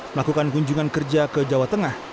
melakukan kunjungan kerja ke jawa tengah